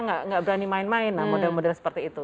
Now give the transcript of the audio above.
nah kita nggak berani main main model model seperti itu